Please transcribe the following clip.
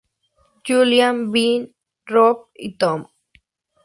Julian, Ben, Rob y Tom.